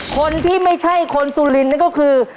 คนที่ไม่ใช่คนสุรินทร์นั่นก็คือ